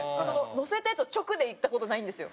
のせたやつを直でいった事ないんですよ。